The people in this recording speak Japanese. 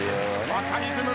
バカリズム